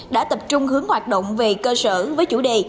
đã tập trung hướng hoạt động về cơ sở với chủ đề